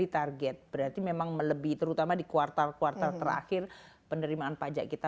hai berarti memang melebih terutama di kuartal kuartal terakhir penerimaan pajak kita